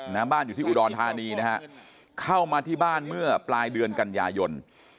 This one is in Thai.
บ้านอยู่ที่อุดรธานีนะฮะเข้ามาที่บ้านเมื่อปลายเดือนกันยายน